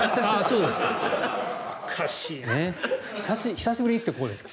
久しぶりに来てこうですから。